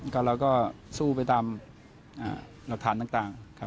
ก็เราก็สู้ไปตามหลักฐานต่างครับ